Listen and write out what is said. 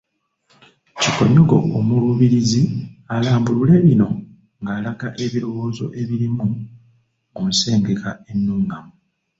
Kikonyogo Omuluubirizi alambulule bino ng’alaga ebirowoozo ebirimu mu nsengeka ennungamu